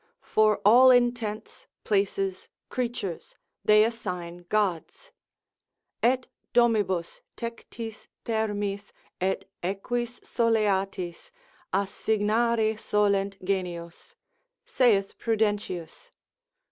For all intents, places, creatures, they assign gods; Et domibus, tectis, thermis, et equis soleatis Assignare solent genios——— saith Prudentius.